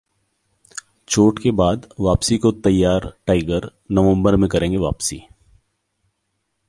चोट के बाद वापसी को तैयार टाइगर, नवंबर में करेंगे वापसी